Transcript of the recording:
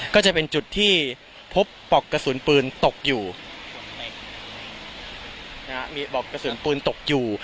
ก็จะเป็นจุดที่พบปลอกกระสุนปืนตกอยู่นะฮะมีปลอกกระสุนปืนตกอยู่